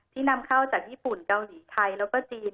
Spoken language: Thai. นำเข้าจากญี่ปุ่นเกาหลีไทยแล้วก็จีน